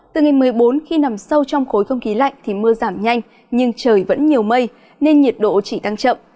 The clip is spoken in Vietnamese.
từ ngày một mươi bốn khi nằm sâu trong khối không khí lạnh thì mưa giảm nhanh nhưng trời vẫn nhiều mây nên nhiệt độ chỉ tăng chậm